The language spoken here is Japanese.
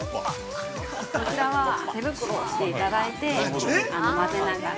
◆こちらは手袋をしていただいて混ぜながら。